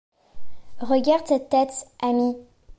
Regarde cette tête, ami!